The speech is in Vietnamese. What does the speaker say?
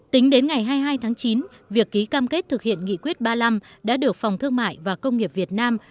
tính đến ngày hai mươi hai tháng chín việc ký cam kết thực hiện nghị quyết ba mươi năm đã được phòng thương mại và công nghiệp việt nam